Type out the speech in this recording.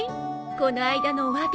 この間のおわび。